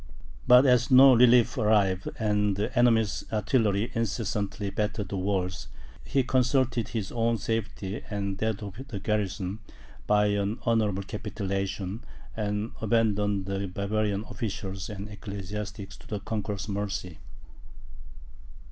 But as no relief arrived, and the enemy's artillery incessantly battered the walls, he consulted his own safety, and that of the garrison, by an honourable capitulation, and abandoned the Bavarian officials and ecclesiastics to the conqueror's mercy.